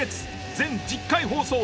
全１０回放送。